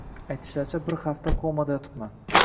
Aytishlaricha, bir hafta komada yotibman